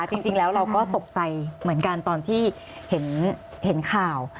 จริงแล้วเราก็ตกใจเหมือนกันตอนที่เห็นข่าว